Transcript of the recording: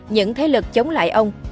những thế lực chống lại ông